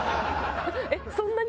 えっそんなに？